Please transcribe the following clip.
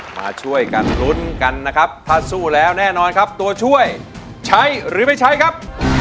มาช่วยกันลุ้นกันนะครับถ้าสู้แล้วแน่นอนครับตัวช่วยใช้หรือไม่ใช้ครับ